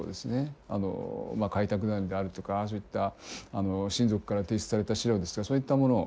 開拓団であるとかそういった親族から提出された資料ですとかそういったもの。